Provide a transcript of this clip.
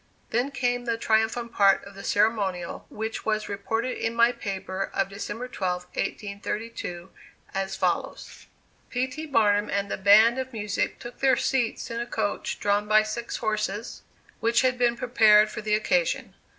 Then came the triumphant part of the ceremonial, which was reported in my paper of December 12, 1832, as follows: "P. T. BARNUM and the band of music took their seats in a coach drawn by six horses, which had been prepared for the occasion.